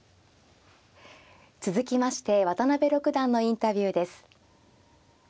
続きまして渡辺六段のインタビューです。